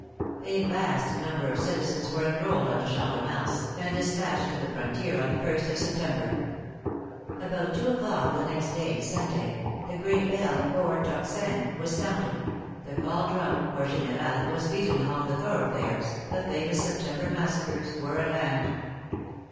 A vast number of citizens were enrolled on the Champ de Mars, and dis patched to the frontier on the ist of September. About two o'clock the next day, Sunday, the great bell or tocsin was sounded, the call drum or generale was beaten along the thoroughfares, the famous September massacres were at hand.